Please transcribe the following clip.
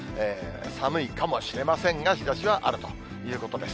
寒いかもしれませんが、日ざしはあるということです。